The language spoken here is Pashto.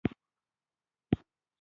خپل کالي هم په تشنابونو کې وینځي.